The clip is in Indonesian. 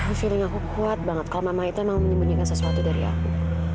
aku feeling aku kuat banget kalau mama itu emang menyembunyikan sesuatu dari aku